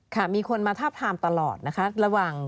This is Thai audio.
ค่ะมีคนมาทับทามตลอดนะครับ